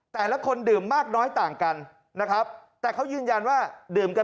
แต่ละคนดื่มมากน้อยต่างกันนะครับแต่เขายืนยันว่าดื่มกัน